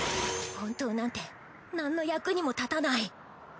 本当なんて何の役にも立たない。